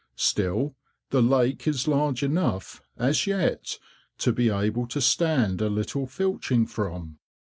Still, the lake is large enough, as yet, to be able to stand a little filching from.